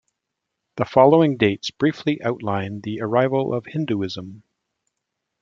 The following dates briefly outline the arrival of Hinduism.